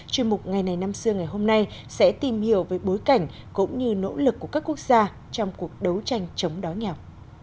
chuyên mục ngày này năm xưa ngày hôm nay sẽ tìm hiểu về bối cảnh cũng như nỗ lực của các quốc gia trong cuộc đấu tranh chống đói nghèo